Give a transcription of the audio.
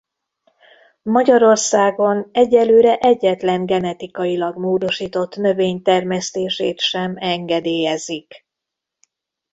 Magyarországon egyelőre egyetlen genetikailag módosított növény termesztését sem engedélyezik.